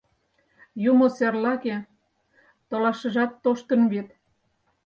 — Юмо серлаге, толашыжат тоштын вет.